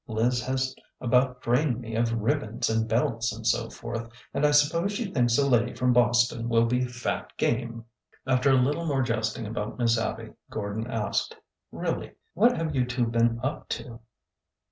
Liz has about drained me of ribbons and belts and so forth, and I suppose she thinks a lady from Boston will be fat game." After a little more jesting about Miss Abby, Gordon asked, " Really,— what have you two been up to?"